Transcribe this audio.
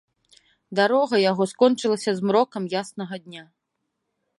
Дарога яго скончылася змрокам яснага дня.